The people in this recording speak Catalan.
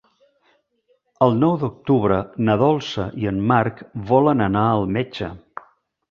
El nou d'octubre na Dolça i en Marc volen anar al metge.